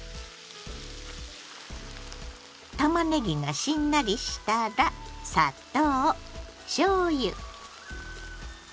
たまねぎがしんなりしたら砂糖しょうゆ酢。